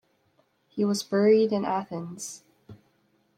He was buried in Athens.